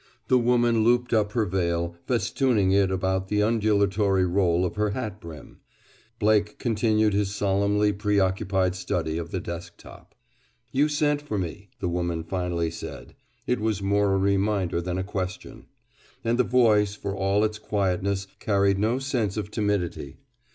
The woman looped up her veil, festooning it about the undulatory roll of her hat brim. Blake continued his solemnly preoccupied study of the desk top. "You sent for me," the woman finally said. It was more a reminder than a question. And the voice, for all its quietness, carried no sense of timidity.